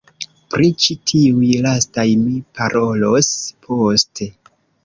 Pri ĉi tiuj lastaj mi parolos poste.